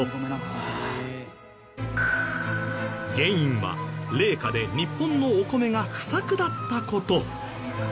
原因は冷夏で日本のお米が不作だった事。